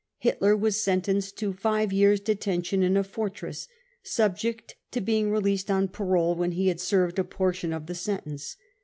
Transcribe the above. Hitler was sentenced to five years 3 detention in a fortress — subject to being released on parole when he had served a portion of the sentence.